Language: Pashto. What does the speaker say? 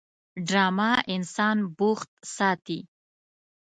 ډرامه انسان بوخت ساتي